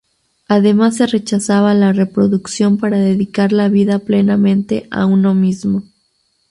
Además se rechazaba la reproducción para dedicar la vida plenamente a uno mismo.